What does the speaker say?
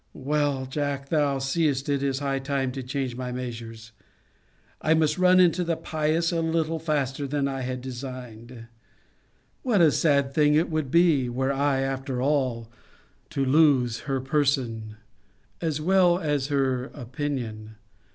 Well, Jack, thou seest it is high time to change my measures. I must run into the pious a little faster than I had designed. What a sad thing it would be, were I, after all, to lose her person, as well as her opinion!